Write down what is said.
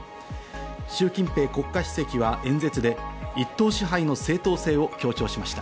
シュウ・キンペイ国家主席は演説で一党支配の正当性を強調しました。